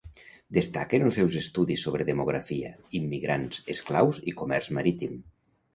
Destaquen els seus estudis sobre demografia, immigrants, esclaus i comerç marítim.